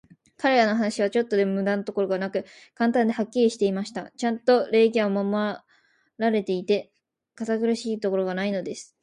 彼等の話は、ちょっとも無駄なところがなく、簡単で、はっきりしていました。ちゃんと礼儀は守られていて、堅苦しいところがないのです。